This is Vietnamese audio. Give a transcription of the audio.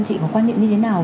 chị có quan niệm như thế nào